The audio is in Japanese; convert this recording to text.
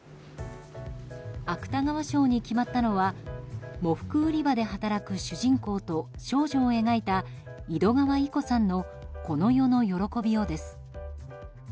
芥川賞に決まったのは喪服売り場で働く主人公と少女を描いた井戸川射子さんの「この世の喜びよ」です。